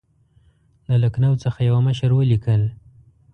د لکنهو څخه یوه مشر ولیکل.